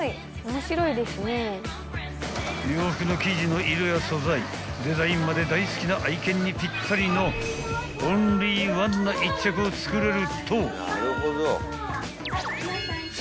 ［洋服の生地の色や素材デザインまで大好きな愛犬にぴったりのオンリーワンな１着を作れると］